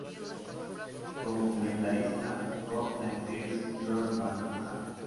Como comentarista, actuó la actriz Joan Van Ark.